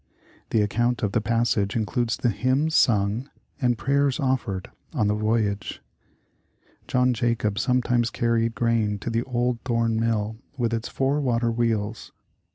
The account of the passage includes the hymns sung, and prayers offered on the voyage. John Jacob sometimes carried grain to the old Thorn Mill with its four water wheels.